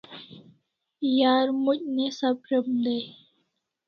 Yar moc' ne sapr'em day